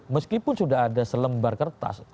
meskipun sudah ada selembar kertas